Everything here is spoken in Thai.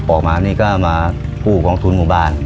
ออกมานี่ก็มากู้กองทุนหมู่บ้าน